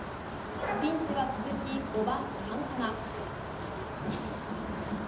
ピンチは続き５番、サンタナ。